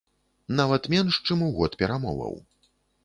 Нават менш, чым у год перамоваў.